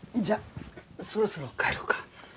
じゃあそろそろ帰ろうか。